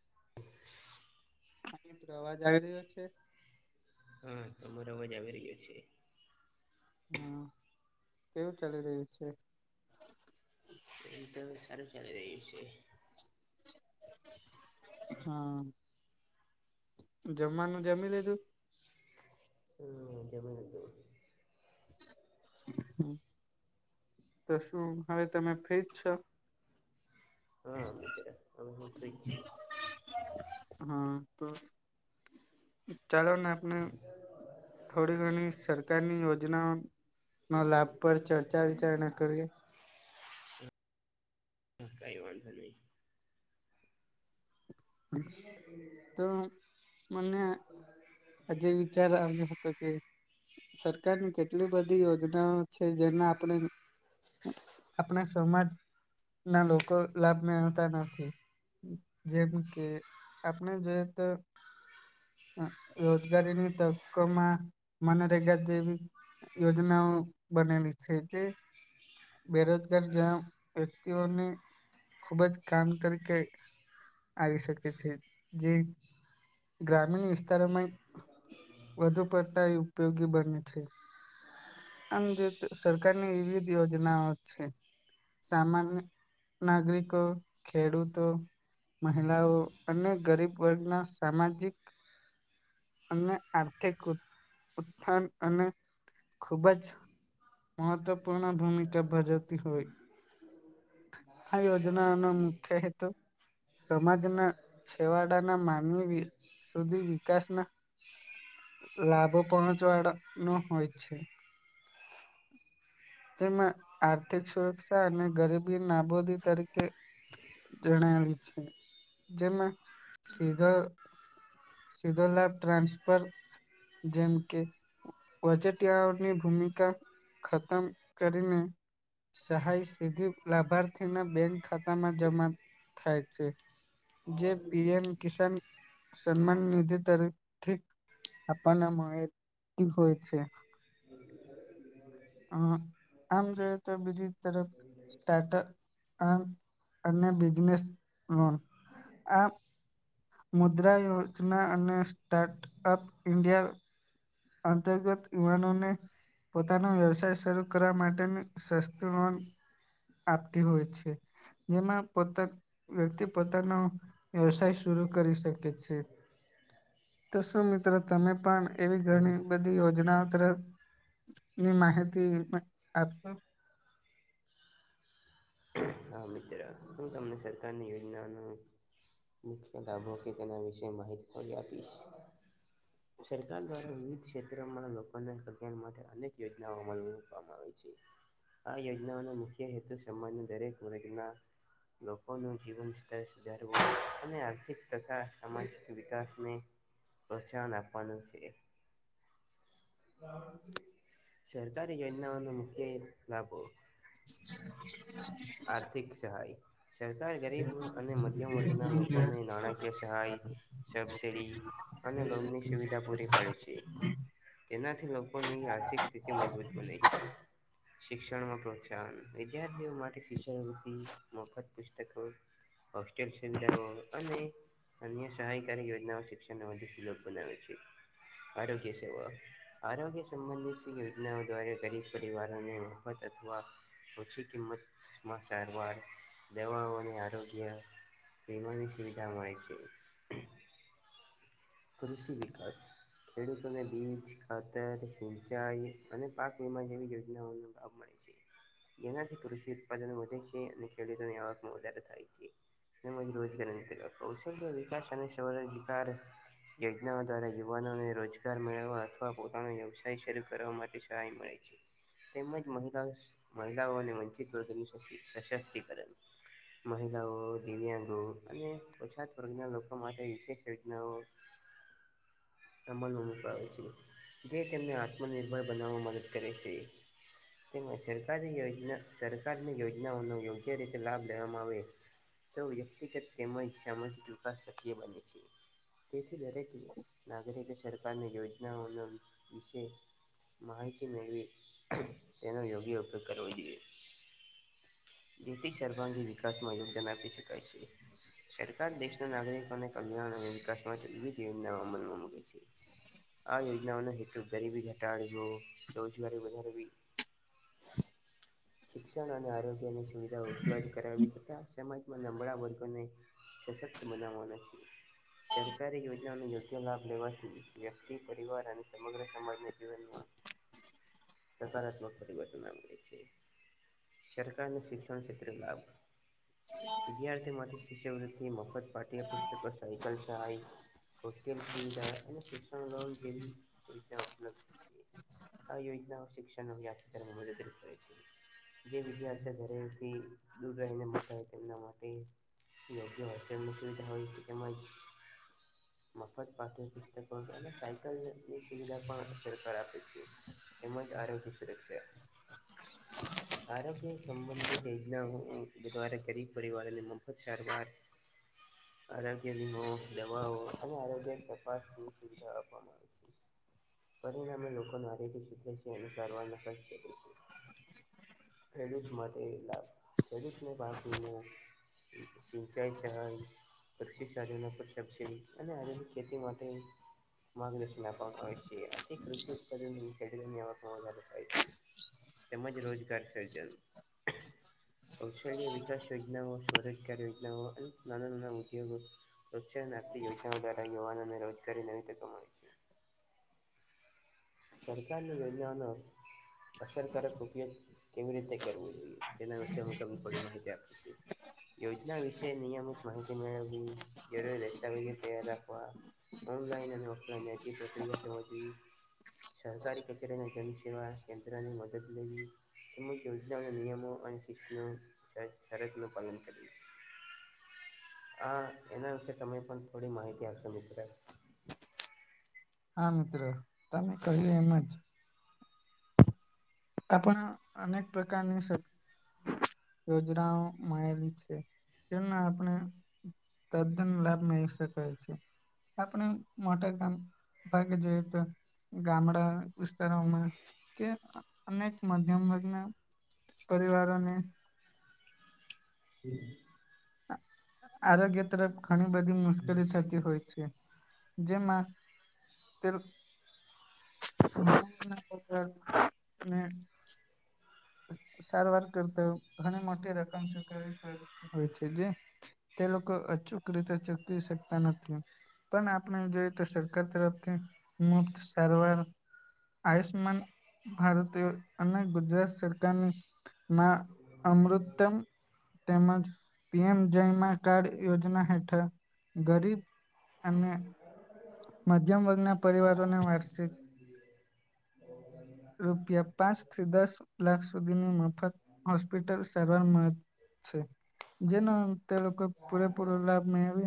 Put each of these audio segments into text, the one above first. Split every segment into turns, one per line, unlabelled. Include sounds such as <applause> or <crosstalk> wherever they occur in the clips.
<unintelligible>
હા મિત્રો અવાજ આવી રહ્યો છે?
હ તમારો અવાજ આવી રહ્યો છે.
હમ્મ, કેવું ચાલી રહ્યું છે?
એ તો અવે સારું ચાલી રહ્યું શે.
હા જમવાનું જમી લીધું?
હમ્મ, જમી લીધું.
તો શું હવે તમે ફ્રી જ છો?
હા મિત્ર અવે હું ફ્રી જ છું.
હા તો ચાલો ને આપને થોડી ઘણી સરકારની યોજનાઓ ના લાભ પર ચર્ચા વિચારણા કરીએ.
હા કઈ વાંધો નહી.
તો મને હજીવી વિચાર આવ્યો હતો કે. સરકારની કેટલી બધી યોજનાઓ છે જેના આપણે. આપણા સમમાજ. ના લોકો લાભ મેળતા નથી જેમ. તે આપણે જગત. રોજગારીની તકો માં મનરેગા જેવી. યોજનાઓ બનેલી છે તે. બેરોજગાર જવા વ્યક્તિઓને ખુબ જ કામ તરીકે. આવી શકે છે જે. ગ્રામીણ વિસ્તારોમાં વધુ પડતા ઉપયોગી બને છે. આમ જો સરકારની એવી જ યોજનાઓ છે. સામાન્ય નાગરિકો ખેડૂતો. મહિલાઓ અને ગરીબ વર્ગના સામાજિક. અને આર્થિક ઉત્થાન અને ખૂબજ મહત્વપૂર્ણ ભૂમિકા ભજવતી હોય. આ યોજનાનો મુખ્ય હેતુ. સમાજના છેવાડાના માનવી સુધી વિકાસના. લાભો પહોંચ વાળ નો હોય છે. તેમાં આર્થિક સુરક્ષા અને ગરીબી નાબૂદી તરીકે. જણાયલી છે જેમાં સીધા. સીધો લાભ ટ્રાન્સફર જેમ કે વજેટયાની ભૂમિકા ખતમ કરીને. સહાય સીધી લાભાર્થીના બેંક ખાતામાં જમા. થાય છે જે પીએમ કિસાન. સન્માન નિધિ તર થી આપને મળે. હોય છે, આમ આમ જોઈએ તો બીજી તરફ સ્ટાર્ટઅ આમ. અને બિઝનેસ લોન આ. મુદ્રા યોજના અને સ્ટાર્ટઅપ ઇન્ડિયા. અંતર્ગત યુવાનોને. પોતાનો વ્યવસાય શરૂ કરવા માટેની સસ્તું લોન. પ્રાપ્તિ હોય છે. જેમાં પોતા વ્યક્તિ પોતાનો વ્યવસાય શરુ કરી શકે. તો શું મિત્રો તમે પણ એવી ઘણી. બધી યોજનાઓ તરફ ની માહિતી આપશો.
હા મિત્ર તમને સરકારની યોજનાનું મુખ્ય લાભો કે તેના વિશેય માહિતી થોડી આપ આપીશ.
<inaudible>
સરકાર દ્વારા વિવિધ ક્ષેત્રમાં લોકોના કલ્યાણ માટે અનેક યોજનાઓ અમલ મવામાં આવે છે. આ યોજનાઓનો મુખ્ય હેતુ સમાજના દરેક વર્ગના. લોકોનું જીવન સ્તર સુધારવું અને આર્થિક તથા સામાજિક વિકાસને. પ્રોત્સાહન આપવાનું છેએ. સરકારી યોજનાઓનો મુખ્ય લાભો.
<unintelligible>
આર્થિક સહાય. સરકાર ગરીબ અને મધ્યમ વર્ગના લોકોને નાણાકીય સહાય સબસિડી. અને લોનની સુવિધા પૂરી પાડે છે. તેનાથી લોકોની આર્થિક સ્થિતિ મજબૂત બને છે. શિક્ષણમાં પ્રોત્સાહન વિદ્યાર્થીઓ માટે શિક્ષણપતિ મફત પુસ્તકો હોસ્ટેલ સુવિધાઓ અને અન્ય સહાયકારી યોજનાઓ શિક્ષણ વધુ સુલભ બનાવે છે આરોગ્ય સેવા આરોગ્ય સંબંધિત યોજનાઓ દ્વારા ગરીબ પરિવારોને મફત અથવા ઓછી કિંમત માં સારવાર દવાઓને આરોગ્ય વીમાની સુવિધા મળે છે. કૃષિ વિકાસ. ખેડૂતોને બીજ ખાતર સિંચાઈ અને પાક વીમા જેવી યોજનાઓનો લાભ મળ જેનાથી કૃષિ ઉત્પાદન વધે છે અને ખેડૂતોની આવક માં વધારો થાય છે. તેમ રોજગારી કૌશલ્ય વિકાસ અને સૌરજિકાર યોજનાઓ દ્વારા યુવાનોને રોજગાર મેળવવા અથવા પોતાનો વ્યવસાય શરૂ કરવા માટે સહાય મળે છે. તેમજ મહલા મહિલાઓને વંચિત વર્ગનું સશક્તિકરણ મહિલાઓ દિવ્યાંગો અને ઓછાત વર્ગના લોકો માટે વિશેષ યોજનાઓ અમલમાં મુકાવે છે જે તેમને આત્મનિર્ભર બનાવવામાં મદદ કરે છે. તેમાં સરકારી યોજના સરકારની યોજનાઓનો યોગ્ય રીતે લાભ લેવામાં આવે. તો વ્યક્તિગત તેમાં ઈ્છામાં જ દવીકાર શક્ય બને છે. તેથી દરેક નાગરિક સરકારની યોજનાઓનો વિશે માહિતી મેળવી તેના યોગીઓ કર જોઈ નીતિ સર્વાંગી વિકાસમાં યોગદાન આપી શકાય છે.
હ.
સરકાર દેશના નાગરિકોને કલ્યાણ અને વિકાસ માટે વિવિધ યોજનાઓ અમલમાં મૂકે છે. આ યોજનાઓનો હેતુ ગરીબી ઘટાડવો રોજગારી વધારવી. શિક્ષણ અને આરોગ્ય ની સુવિધા ઉપલબ્ધ કરાવી તથા સમાજમાં નબળા વર્ગોને સશક્ત મનાવના છે. સરકારી યોજનાનો યોગ્ય લાભ લેવાથી વ્યક્તિ પરિવાર અને સમગ્ર સમાજને વન સકારાત્મક પરિવર્તન આવે છે. સરકારને શિક્ષણ ક્ષેત્રે લાભ વિદ્યાર્થીઓ માટે શિષ્યવૃત્તિ મફત પાઠ્ય પુસ્તકો સાયકલ સહાય. હોસ્ટેલ સુવિધા અને શિક્ષણ લો જેવી ઉપલબ્ધ આ યોજનાઓ શિક્ષણખ મદદરૂ કરે છે જે ઘરેથી દૂર રહીને મળતા હોય તેમના માટે. જેતી હોસ્ટૅલની સુવિધા હોયતી એમાંજ
<inaudible>
મફત પાઠ્ય પુસ્તકો અને સાયકલની સુવિધા પણ સરકાર આપે છે. એજ આરોગ્ય સુરક્ષા રોગ્ય સંબંધિત યોજનાઓ દ્વારા ગરીબ પરિવારની મફત સારવાર
<inaudible>
આરોગ્ય વિમો દવાઓ અને આરોગ્ય તપાસની સુવિધા આપવામાં આવે છે. પરિણામે લોકોનું આરોગ્ય સુધરે છે અને સારવાર ન કર છે. ખેડૂત માટે લાભ ખેડૂતને પાર્ટીને સીંચાય છે. કૃષિ સાધને પણ સબસિડી અને આધુનિક ખેતી માટે માર્ગદર્શન આપવામાં આવ્ય છે અતિિકૃષિત્ ખેની છે <unintelligible> <unintelligible> તેમજ રોજગાર સર્જન કૌશલ્ય વિકાસ યોજનાઓ પોરોજકાર યોજનાઓ નાના ના ઉદ્યોગો પ્રોત્સાહન આપતી યોજનાઓ દ્વારા યુવાનોને રોજગારીની નવી તકો મળે છે.
<inaudible>
સરકારની યોજનાઓનો અસરકારક ઉપયોગ કેવી રીતે કરવું જોઈએ તેના વિશેે હું તમને થોડી માહિતી આપું છું. યોજના વિશે નિયમિત માહિતી મેળવવી, જરૂરી દસ્તાવેજો તૈયાર રાખવા. ઓનલાઈન અને ઓફલાઈન અજી પ્રક્રિયા છે ઓજી સરકારી કચેરી અને જનસેવા કેન્દ્રની મદદ લેવી. તેમજ યોજનાઓ અને નિયમો અને શિસ્તનું શર શરતનું પાલન કરીએ. હા એના વિશે તમે પણ થોડી માહિતી આપશો મિત્ર.
હા મિત્રો, તમે કહ્યું એમ જ. આપણા અનેક પ્રકારની સ યોજનાઓ મળેલી છે. તેના આપણે તદ્દન લાભ મળી શકાય છે. આપણે મોટા કામ ભાગે જોઈએ તો ગામડા વિસ્તારોમાં કે અનેક મધ્યમ વર્ગના પરિવારોને આ આરોગ્ય તરફ ઘણી બધી મુશ્કેલી થતી હોય છે. જેમાં તે <unintelligible> સારવાર કરતા ઘણી મોટી રકમ ચુકવવી પ હોય છે. તે લોકો અચૂક રીતે ચૂકવી શકતા નથી. પણ આપણે જોઈએ તો સરકાર તરફથી મુફત સારવાર આયુષ્યમાન ભારતીયો અને ગુજરાત સરક કારની મા અમૃતમ્ તેમજ પી એમ જયમાં કાર્ડ યોજના હેઠળ ગરીબ અને મધ્યમ વર્ગના પરિવારોને વાર્ષિક રૂપિયા પાંચથી દસ લાખ સુધીની મફત હોસ્પિટલ સારવારમાં છે જેના તે લોકો પૂરેપૂરો લાભ મેળવે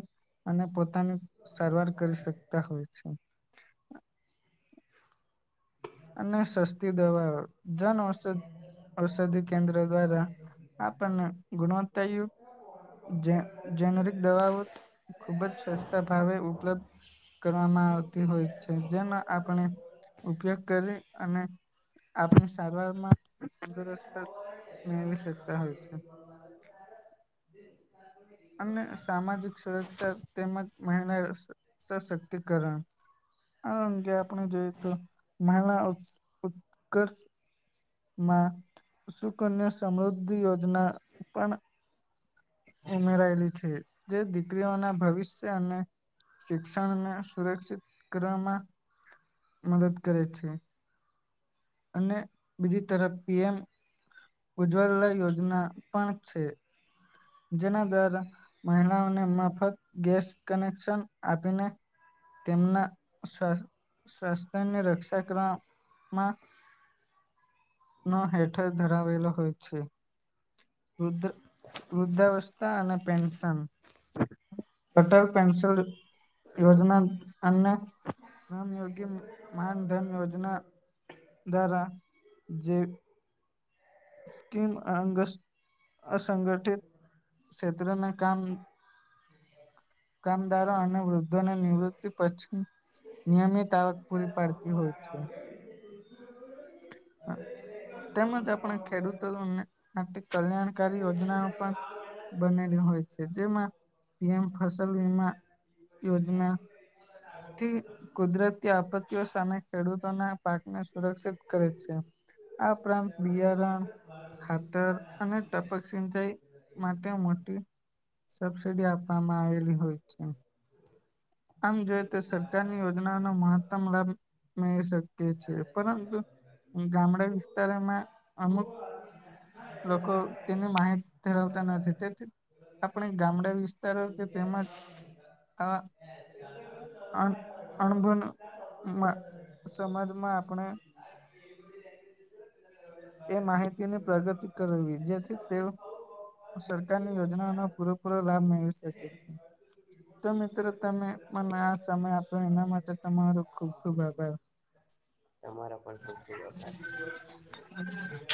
અને પોતાની સારવાર કરી શકતા હોય છે. અને સસ્તી દવાઓ જનઔષધ ઔષધિ કેન્દ્ર દ્વારા આપણને ગુણવત્તાયુક્ત જે જેનરિક દવાઓ ખુબ જ સસ્તા ભાવે ઉપલબ્ધ કરવામાં આવતી હોય છે જેનો આપણે ઉપયોગ કરી અને આપણે સારવારમાં તંદુરસ્ત મેળવી શકતા હોય છે. અને સામાજિક સુરક્ષા તેમજ મહિલા સ સશક્તિકરણ આ અંગે આપણે જોઈએ તો મહિલા ઉસ ઉત્કર્ષ માં સુકન્યા સમૃદ્ધિ યોજના પણ ઉમેરાયેલી છે જે દીકરીઓના ભવિષ્ય અને શિક્ષણને સુરક્ષિત કરવામાં મદદ કરે છે. અને બીજી તરફ પી એમ ઉજવલ્લા યોજના પણ છે જેના દર મહિલાઓને મફત ગેસ કનેક્શન આપીને તેમના સ્વા સ્વાસ્થ્યની રક્ષા કરવામાં નો હેઠળ ધરાવેલો હોય છે. વૃધ્ધ વૃદ્ધાવસ્થા અને પેન્શન અટલ પેન્શન યોજના અને શ્રમયોગી માનધન યોજના દ્વારા જે સ્કીમ અઅંગ અસંગઠિત ક્ષેત્રના કામ કામદારો અને વૃદ્ધોને નિવૃત્તિ પછી નિયમિત આવક પૂરી પાડતી હોય છે. હા. તેમજ આપણે ખેડૂતો આ કલ્યાણકારી યોજનાઓ પણ બનેલી હોય છે જેમાં પીએમ ફસલ વીમા યોજના થી કુદરતી આપત્તિઓ સામે ખેડૂતોના પાકને સુરક્ષિત કરે છે આ ઉપરાંત બિયારણ ખાતર અને ટપક સિંચાઈ માટે મોટી સબસીિડી આપવામાં આવેલી હોય છે આમ જોય તો સરકારની યોજનાઓનો મહત્તમ લાભ મેળ શકે છે પરંતુ ગામડા વિસ્તારમાં અમુક લોકોક તેની માહિત ધળવતા નથી દ આપણે ગામડા વિસ્તારો કે તેમાંજ
<unintelligible>
અણબન સમાજમાં આપણે એ માહિતીની પ્રગતિ કરવી જેથી તે સરકારની યોજનાઓનો પૂરેપૂરો લાભ મેળવી શકે છે તો મિત્રો તમે મને આ સમય આપો એના માટે તમારો ખુબ ખુબ આભાર
તમારો પણ ખૂબ ખૂબ આભાર
<unintelligible>